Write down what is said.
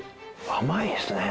甘いですね。